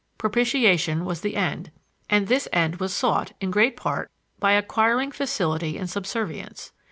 Propitiation was the end, and this end was sought, in great part, by acquiring facility in subservience.